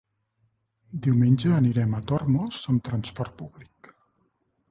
Diumenge anirem a Tormos amb transport públic.